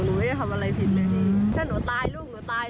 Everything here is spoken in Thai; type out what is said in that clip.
ไม่ได้ทำอะไรผิดเลยถ้าหนูตายลูกหนูตาย